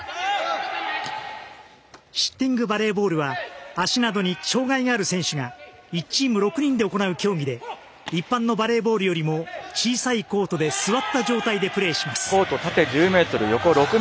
シッティングバレーボールは足などに障がいがある選手が１チーム６人で行う競技で一般のバレーボールよりも小さいコートで座った状態でプレーします。